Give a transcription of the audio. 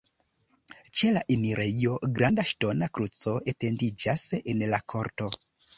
Ĉe la enirejo granda ŝtona kruco etendiĝas en la korto.